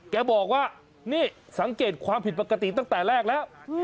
แกบอกว่านี่สังเกตความผิดปกติตั้งแต่แรกแล้ว